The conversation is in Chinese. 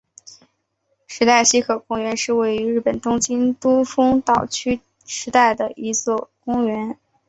池袋西口公园是位于日本东京都丰岛区池袋的一处公园。